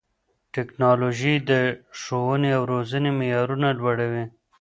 ټیکنالوژي د ښوونې او روزنې معیارونه لوړوي.